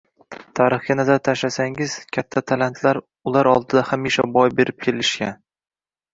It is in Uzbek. Tarixga nazar tashlasangiz, katta talantlar ular oldida hamisha boy berib kelishgan.